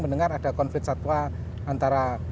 mendengar ada konflik satwa antara